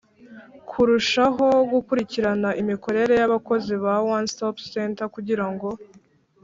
Kurushaho gukurikirana imikorere y abakozi ba One Stop Center kugira ngo